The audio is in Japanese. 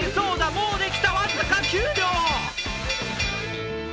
もうできた、僅か９秒！